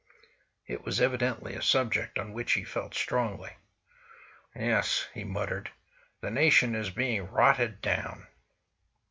It was evidently a subject on which he felt strongly. "Yes," he muttered, "the nation is being rotted down."